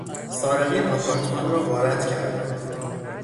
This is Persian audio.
سارقین آپارتمان را غارت کردند.